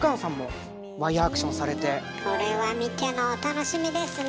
これは見てのお楽しみですね！